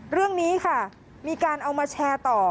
เรื่องนี้ค่ะมีการเอามาแชร์ต่อ